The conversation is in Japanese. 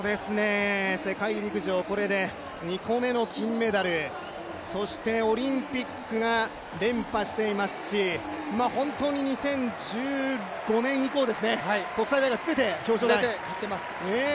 世界陸上、これで２個目の金メダル、そしてオリンピックが連覇していますし、本当に２０１５年以降、国際大会全て表彰台。